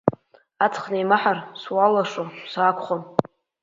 Аҵх неимаҳар, суалуашо саақәхон.